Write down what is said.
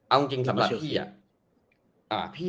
เอาจริงสำหรับพี่อะ